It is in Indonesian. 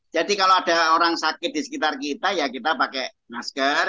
jadi kalau ada orang sakit di sekitar kita ya kita pakai masker